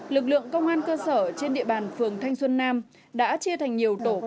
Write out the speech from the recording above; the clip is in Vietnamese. lực lượng công an cơ sở trên địa bàn phường thanh xuân nam đã chia thành nhiều tổ